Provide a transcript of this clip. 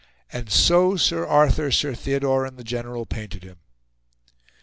And so, Sir Arthur, Sir Theodore, and the General painted him.